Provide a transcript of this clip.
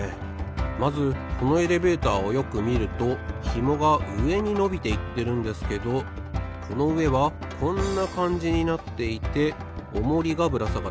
まずこのエレベーターをよくみるとひもがうえにのびていってるんですけどこのうえはこんなかんじになっていてオモリがぶらさがってます。